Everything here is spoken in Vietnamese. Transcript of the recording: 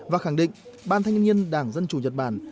và khẳng định ban thanh niên đảng dân chủ nhật bản